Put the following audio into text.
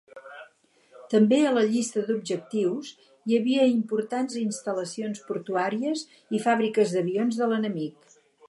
També a la llista d'objectius hi havia importants instal·lacions portuàries i fàbriques d'avions de l'enemic.